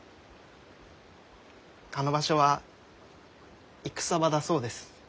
あの場所は戦場だそうです。